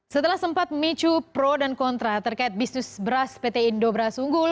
setelah sempat memicu pro dan kontra terkait bisnis beras pt indobra sunggul